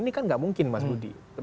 ini kan nggak mungkin mas budi